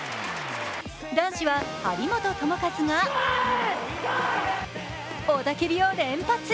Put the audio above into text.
男子は、張本智和がおたけびを連発。